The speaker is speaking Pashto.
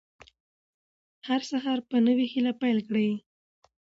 هر سهار په نوې هیله پیل کړئ.